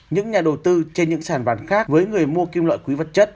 những nhà đầu tư trên những sàn vàng khác với người mua kim loại quý vật chất